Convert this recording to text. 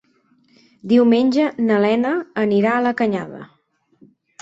Diumenge na Lena anirà a la Canyada.